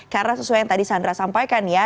karena sesuai yang tadi sandra sampaikan ya